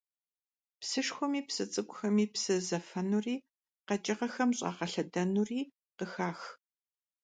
Psışşxuemi psı ts'ık'umi psı zefenuri kheç'ığem ş'ağelhedenuri khıxax.